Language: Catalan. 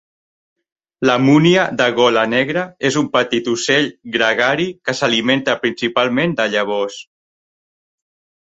La munia de gola negra és un petit ocell gregari que s'alimenta principalment de llavors.